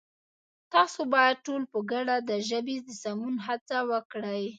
تاسو بايد ټول په گډه د ژبې د سمون هڅه وکړئ!